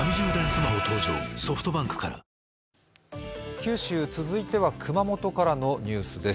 九州、続いては熊本からのニュースです。